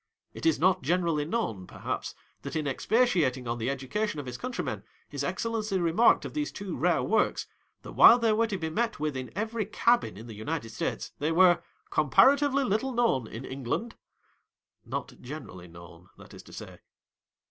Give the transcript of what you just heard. It is not generally known perhaps, that in expatiating on the | education of his countrymen His Excellency j remarked of these two rare works, that while [ they were to be met with in every cabin in the United States, they were "comparatively little known in England" — not generally known, that is to say.